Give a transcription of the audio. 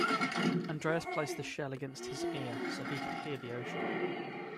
Andreas placed the shell against his ear so he could hear the ocean.